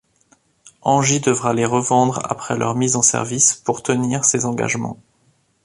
Engie devra les revendre après leur mise en service pour tenir ses engagements.